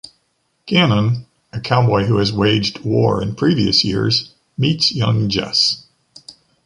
Gannon, a cowboy who has waged war in previous years, meets young Jess.